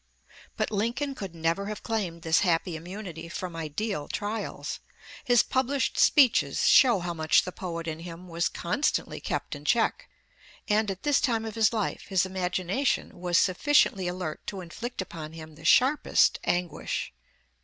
But Lincoln could never have claimed this happy immunity from ideal trials. His published speeches show how much the poet in him was constantly kept in check; and at this time of his life his imagination was sufficiently alert to inflict upon him the sharpest anguish.